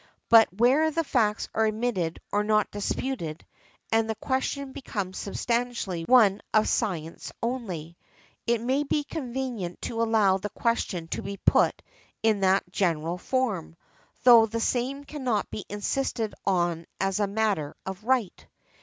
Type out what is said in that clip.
But where the facts are admitted or not disputed, and the question becomes substantially one of science only, it may be convenient to |127| allow the question to be put in that general form, though the same cannot be insisted on as a matter of right ."